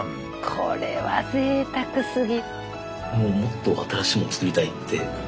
これはぜいたくすぎ。